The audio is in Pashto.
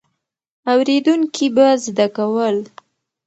اورېدونکي به زده کول.